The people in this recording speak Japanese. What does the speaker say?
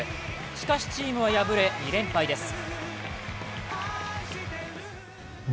しかし、チームは敗れ２連敗です。